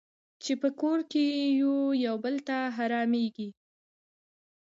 چې په کور کې وو یو بل ته حرامېږي.